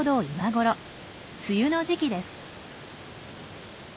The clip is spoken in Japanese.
梅雨の時期です。